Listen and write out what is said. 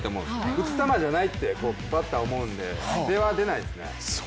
打つ球じゃないってバッターは思うので、手は出ないですね。